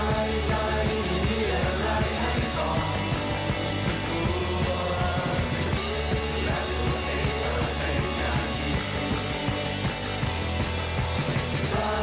มายใจมีอะไรให้ตอบรู้